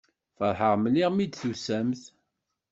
Feṛḥeɣ mliḥ mi d-tusamt.